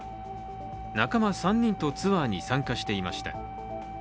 仲間３人とツアーに参加していました。